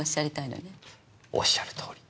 おっしゃるとおり。